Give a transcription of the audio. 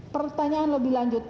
pertanyaan lebih lanjut